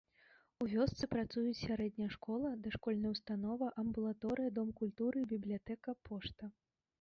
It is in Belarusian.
У вёсцы працуюць сярэдняя школа, дашкольная ўстанова, амбулаторыя, дом культуры, бібліятэка, пошта.